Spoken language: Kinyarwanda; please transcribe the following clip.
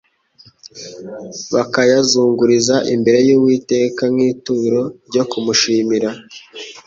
bakayazunguriza imbere y'Uwiteka nk'ituro ryo kumushimira.